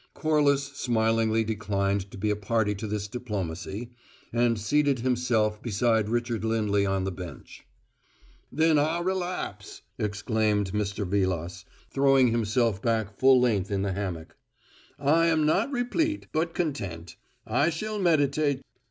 Corliss smilingly declined to be a party to this diplomacy, and seated himself beside Richard Lindley on the bench. "Then I relapse!" exclaimed Mr. Vilas, throwing himself back full length in the hammock. "I am not replete, but content. I shall meditate.